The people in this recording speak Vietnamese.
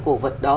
cổ vật đó